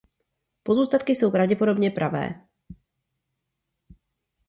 Pozůstatky jsou pravděpodobně pravé.